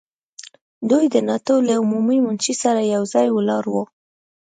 دوی د ناټو له عمومي منشي سره یو ځای ولاړ وو.